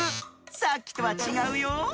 さっきとはちがうよ。